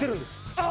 あっ